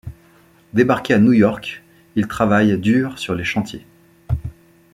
Débarqué à New York, il travaille dur sur les chantiers.